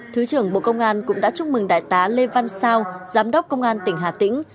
thứ trưởng bộ công an cũng đã chúc mừng đại tá lê văn sao giám đốc công an tỉnh hà tĩnh